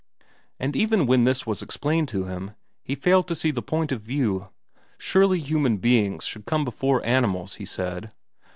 And even when this was explained to him, he failed to see the point of view; surely human beings should come before animals, he said.